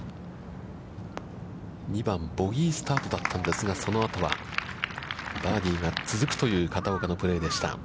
２番、ボギースタートだったんですが、そのあとはバーディーが続くという片岡のプレーでした。